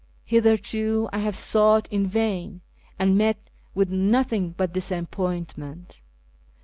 Hitherto I have sought in vain, and met with nothing but disappointment.